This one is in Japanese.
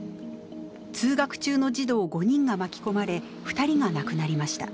通学中の児童５人が巻き込まれ２人が亡くなりました。